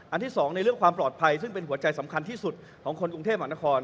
ที่สองในเรื่องความปลอดภัยซึ่งเป็นหัวใจสำคัญที่สุดของคนกรุงเทพมหานคร